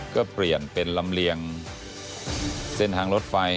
ก็เปลี่ยนเป็นลำเลียงเส้นทางรถไฟ